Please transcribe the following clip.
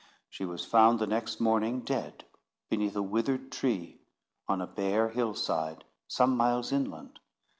She was found, the next morning, dead beneath a withered tree on a bare hill side, some miles inland.